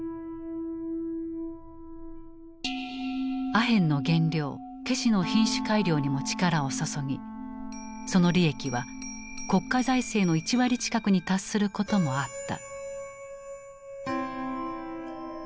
アヘンの原料ケシの品種改良にも力を注ぎその利益は国家財政の１割近くに達することもあった。